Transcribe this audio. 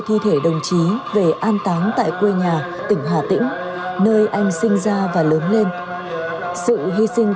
thi thể đồng chí về an táng tại quê nhà tỉnh hà tĩnh nơi anh sinh ra và lớn lên sự hy sinh